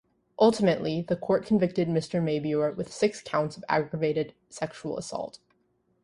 Ultimately, the Court convicted Mr. Mabior with six counts of aggravated sexual assault.